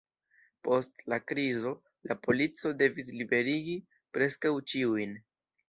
Post la krizo, la polico devis liberigi preskaŭ ĉiujn.